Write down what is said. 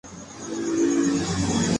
اسے بحفاظت زمین پر لایا جاسکے